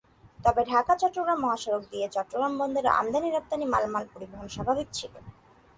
তবে ঢাকা-চট্টগ্রাম মহাসড়ক দিয়ে চট্টগ্রাম বন্দরে আমদানি-রপ্তানি মালামাল পরিবহন স্বাভাবিক ছিল।